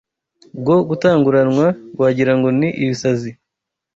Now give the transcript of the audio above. bwo gutanguranwa wagira ngo ni ibisazi